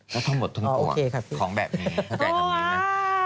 ก็ทั้งหมดทั้งตัวของแบบนี้